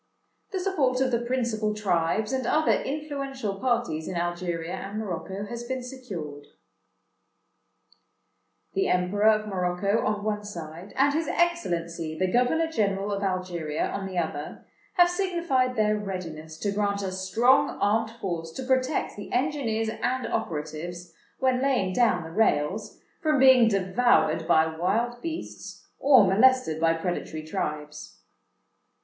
"The support of the principal tribes, and other influential parties in Algeria and Morocco, has been secured. "The Emperor of Morocco, on one side, and his Excellency the Governor General of Algeria, on the other, have signified their readiness to grant a strong armed force to protect the engineers and operatives, when laying down the rails, from being devoured by wild beasts, or molested by predatory tribes.